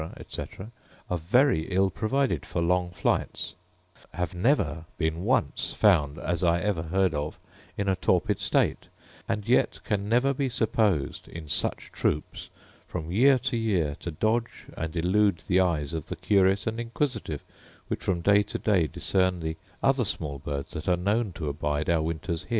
etc., are very ill provided for long flights; have never been once found, as I ever heard of, in a torpid state, and yet can never be supposed, in such troops, from year to year to dodge and elude the eyes of the curious and inquisitive, which from day to day discern the other small birds that are known to abide our winters.